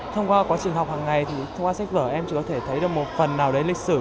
thông qua quá trình học hàng ngày thì thông qua sách vở em chỉ có thể thấy được một phần nào đấy lịch sử